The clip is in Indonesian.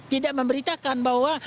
tidak memberitakan bahwa